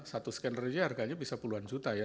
satu scannernya harganya bisa puluhan juta ya